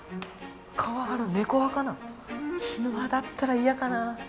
川原猫派かな犬派だったら嫌かな？